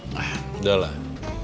nah udah lah